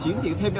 còn vệ sinh tay là